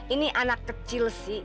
ini anak kecil sih